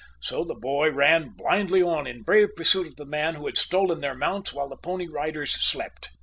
So the boy ran blindly on in brave pursuit of the man who had stolen their mounts while the Pony Riders slept.